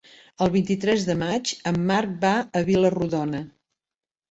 El vint-i-tres de maig en Marc va a Vila-rodona.